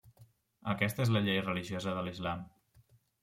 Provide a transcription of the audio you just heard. Aquesta és la llei religiosa de l'islam.